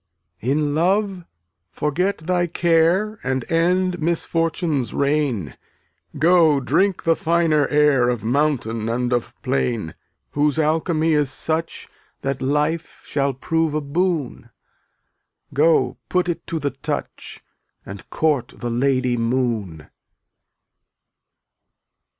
0Utt<J 289 In love forget thy care d^tttAtf And end Misfortune's reign, Tl Go, drink the finer air \jyt/ Of mountain and of plain, Whose alchemy is such That life shall prove a boon; Go, put it to the touch — And court the lady Moon.